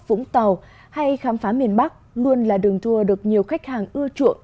vũng tàu hay khám phá miền bắc luôn là đường tour được nhiều khách hàng ưa chuộng